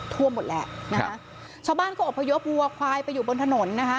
ท่วมหมดแหละนะคะชาวบ้านก็อบพยพวัวควายไปอยู่บนถนนนะคะ